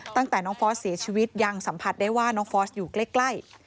ตั้งแต่น้องฟอสเสียชีวิตยังสัมผัสได้ว่าน้องฟอสอยู่ใกล้